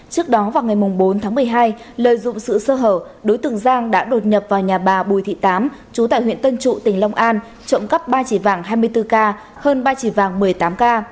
trước đó vào ngày bốn tháng một mươi hai lợi dụng sự sơ hở đối tượng giang đã đột nhập vào nhà bà bùi thị tám chú tại huyện tân trụ tỉnh long an trộm cắp ba chỉ vàng hai mươi bốn k hơn ba chỉ vàng một mươi tám k